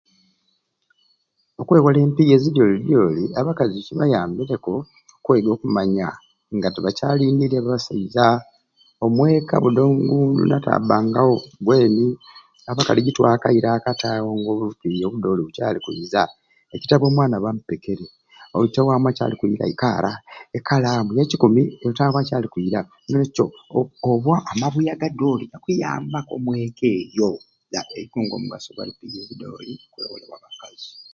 Okwewola empiiya ezidyolidyoli abakazi zibayambireku okwega okumanya nga tebakyalindiirya basaiza omweka budi nataabbangawo weeni abakali gitwakaire akati awo ng'obumpiiya obudyoli bucaali kwiiza ekitabu omwana bamupekere oitowamwe acaali kwiira ikaara ekalaamu ya kikumu oitowamwe acaali kwiira n'olwekyo olwo amabuya agadyoli gakuyambaku eka eyo nigata eitungo omumaiso garupiiya ezidyoli ezikwewolebwa abakazi.